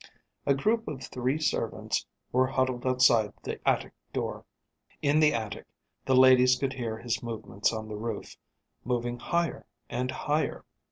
A group of three servants were huddled outside the attic door. In the attic the ladies could hear his movements on the roof, moving higher and higher.